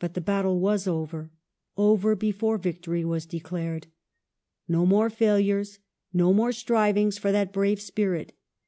But the battle was over, over before victory was declared. No more failures, no more striv ings, for that brave spirit.